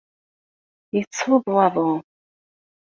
Yettsuḍ waḍu.